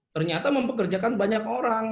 ternyata mempekerjakan banyak orang